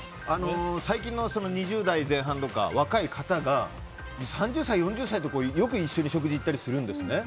最近の２０代前半とか若い方が３０歳、４０歳と一緒に食事に行ったりするんですね。